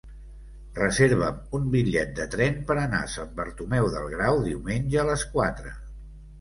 Reserva'm un bitllet de tren per anar a Sant Bartomeu del Grau diumenge a les quatre.